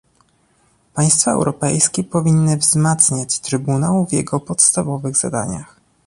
Państwa europejskie powinny wzmacniać trybunał w jego podstawowych zadaniach